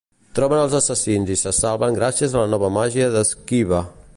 Troben els assassins i se salven gràcies a la nova màgia de Skeeve.